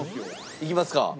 いきますよ。